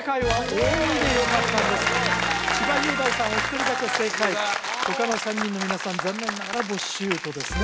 お一人だけ正解他の３人の皆さん残念ながらボッシュートですね